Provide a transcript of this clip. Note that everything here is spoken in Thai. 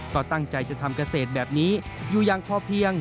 ก็ตั้งใจจะทำเกษตรแบบนี้อยู่อย่างพอเพียง